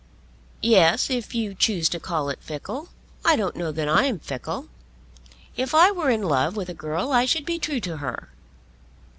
"Yes, if you choose to call it fickle. I don't know that I am fickle. If I were in love with a girl I should be true to her."